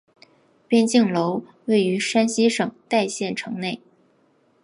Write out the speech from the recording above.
边靖楼位于山西省代县城内。